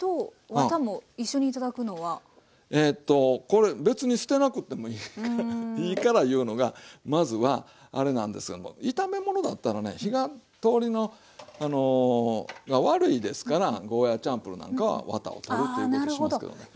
これ別に捨てなくてもいいからいうのがまずはあれなんですが炒め物だったらね火が通りが悪いですからゴーヤーチャンプルーなんかはワタを取るということをしますけどね。